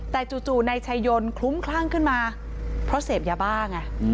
แต่จู่นายชายยนต์คลุ้มคลั่งขึ้นมาเพราะเสพยาบ้าไง